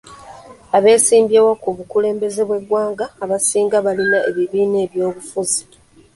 Abeesimbyewo ku bukulembeze bw'eggwanga abasinga balina ebibiina by'obufuzi.